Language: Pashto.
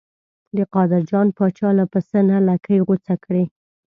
د قادر جان پاچا له پسه نه لکۍ غوڅه کړې.